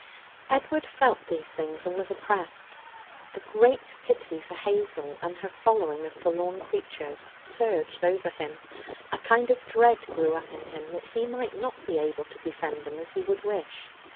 Edward felt these things and was oppressed. A great pity for Hazel and her following of forlorn creatures surged over him. A kind of dread grew up in him that he might not be able to defend them as he would wish.